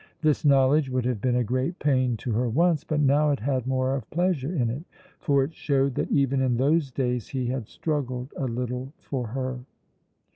This knowledge would have been a great pain to her once, but now it had more of pleasure in it, for it showed that even in those days he had struggled a little for her.